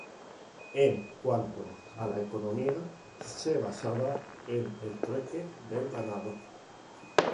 En cuanto a la economía, se basaba en el trueque del ganado.